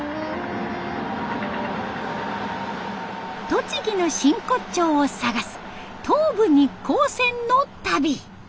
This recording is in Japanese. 栃木の真骨頂を探す東武日光線の旅。